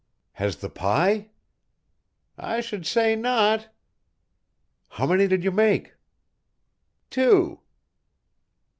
"Has the pie?" "I should say not." "How many did you make?" "Two."